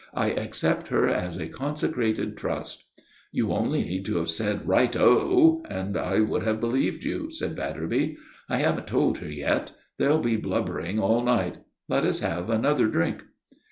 I accept her as a consecrated trust." "You only need to have said 'Right o,' and I would have believed you," said Batterby. "I haven't told her yet. There'll be blubbering all night. Let us have another drink."